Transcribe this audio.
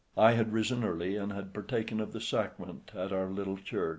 I had risen early and had partaken of the Sacrament at our little church.